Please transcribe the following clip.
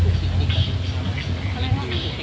ถูกติง